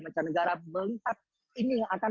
macam negara melihat ini yang akan